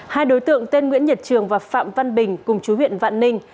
hai đối tượng tên nguyễn nhật trường và phạm văn bình cùng chú huyện vạn ninh